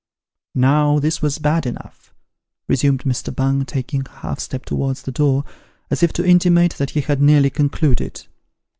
" Now this was bad enough," resumed Mr. Bung, taking a half step towards the door, as if to intimate that he had nearly concluded.